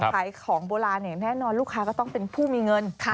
ขายของโบราณอย่างแน่นอนลูกค้าก็ต้องเป็นผู้มีเงิน